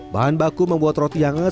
bahan baku membuat roti hangat